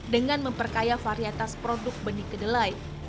dengan memperkaya varietas produk benih kedelai